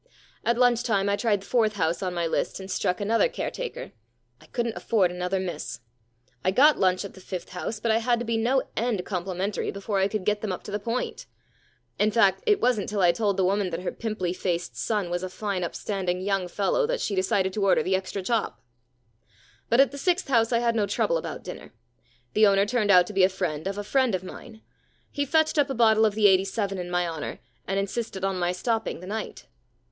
* At lunch time I tried the fourth house on my list and struck another caretaker. I couldn't afford another miss. I got lunch at the fifth house, but I had to be no end com plimentary before I could get them up to the point. In fact, it wasn't till I told the woman that her pimply faced son was a fine upstanding young fellow that she decided to order the extra chop. P.C 6 1 E The Problem Club * But at the sixth house I had no trouble about dinner. The owner turned out to be a friend of a friend of mine. He fetched up a bottle of the '87 in my honour and insisted on my stopping the night.